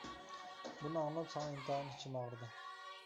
بۇنى ئاڭلاپ ساڭا ئىنتايىن ئىچىم ئاغرىدى.